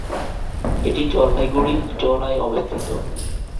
এটি জলপাইগুড়ি জলায় অবস্থিত।